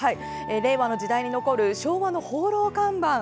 令和の時代に残る昭和のホーロー看板。